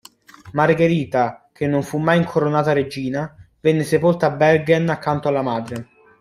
Margherita, che non fu mai incoronata regina, venne sepolta a Bergen accanto alla madre.